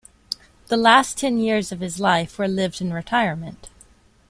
The last ten years of his life were lived in retirement.